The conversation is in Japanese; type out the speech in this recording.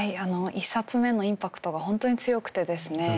１冊目のインパクトが本当に強くてですね